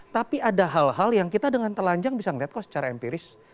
tapi ada hal hal yang kita dengan telanjang bisa melihat kok secara empiris